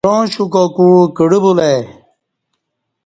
ارا شوکاکوع کڑہ بولہ ای